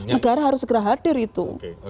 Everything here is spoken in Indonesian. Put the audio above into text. negara harus segera hadir itu